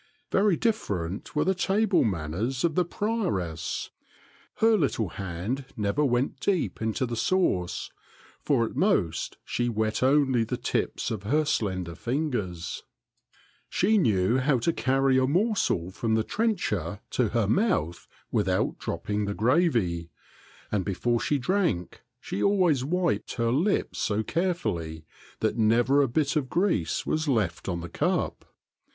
Very different were the table manners of the prioress. Her little hand never went deep into the sauce, for at most she wet only the tips of her slender fingers. She knew how to carry a morsel from the trencher to her mouth without dropping thegravy; and beforeshe drank, she always wiped her lips so carefully that never a bit of grease was left on the cup.